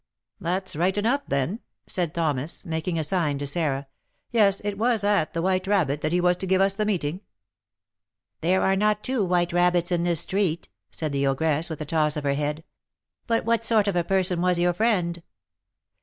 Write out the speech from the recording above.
"That's right enough, then," said Thomas, making a sign to Sarah; "yes, it was at the 'White Rabbit' that he was to give us the meeting." "There are not two 'White Rabbits' in this street," said the ogress, with a toss of her head. "But what sort of a person was your friend?"